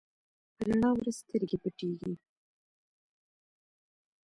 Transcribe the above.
په رڼا ورځ سترګې پټېږي.